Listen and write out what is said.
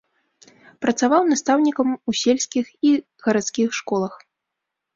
Працаваў настаўнікам у сельскіх і гарадскіх школах.